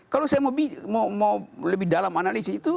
kalau saya mau lebih dalam analisis itu